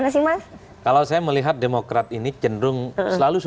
namun sekarang elak elak